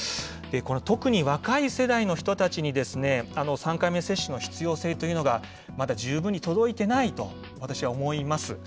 特に若い世代の人たちに、３回目接種の必要性というのが、まだ十分に届いてないと私は思います。